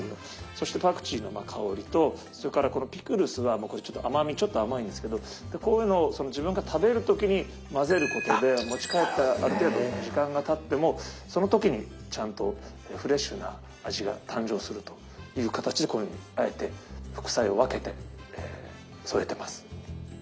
そしてパクチーの香りとそれからこのピクルスは甘みちょっと甘いんですけどこういうのを自分が食べる時に混ぜることで持ち帰ってある程度時間がたってもその時にちゃんとフレッシュな味が誕生するという形でこのようにあえて副菜を分けて添えてます。